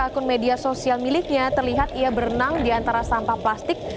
akun media sosial miliknya terlihat ia berenang di antara sampah plastik